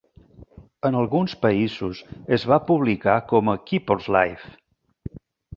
En alguns països es va publicar com a "Keepers Live".